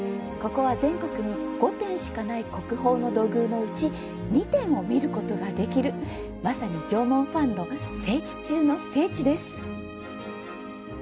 ここは、全国に５点しかない国宝の土偶のうち２点を見ることができるまさに縄文ファンの聖地中の聖地です！